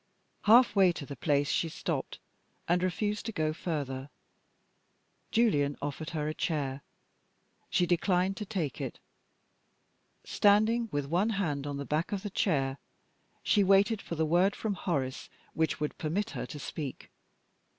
Half way to the place she stopped, and refused to go further. Julian offered her a chair. She declined to take it. Standing with one hand on the back of the chair, she waited for the word from Horace which would permit her to speak.